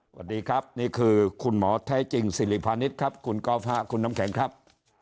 สวัสดีครับนี่คือคุณหมอแท้จริงสิริพาณิชย์ครับคุณกอล์ฟฮะคุณน้ำแข็งครับ